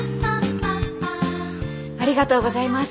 ありがとうございます。